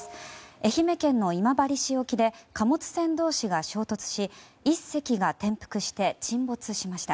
愛媛県の今治市沖で貨物船同士が衝突し１隻が転覆して沈没しました。